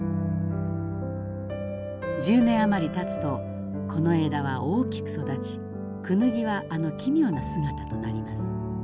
１０年余りたつとこの枝は大きく育ちクヌギはあの奇妙な姿となります。